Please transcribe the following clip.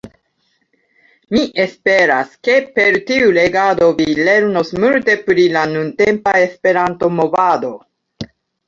Mi esperas, ke per tiu legado vi lernos multe pri la nuntempa Esperanto-movado.